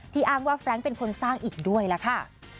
อ้างว่าแฟรงค์เป็นคนสร้างอีกด้วยล่ะค่ะ